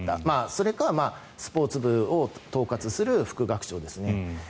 それかスポーツ部を統括する副学長ですね。